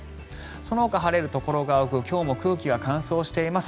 そのほか晴れるところが多く今日も空気が乾燥しています。